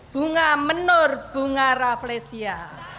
bunga menur bunga rafflesia